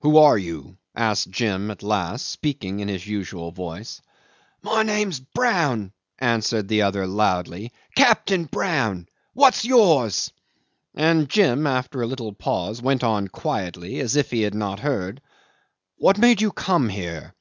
'"Who are you?" asked Jim at last, speaking in his usual voice. "My name's Brown," answered the other loudly; "Captain Brown. What's yours?" and Jim after a little pause went on quietly, as If he had not heard: "What made you come here?"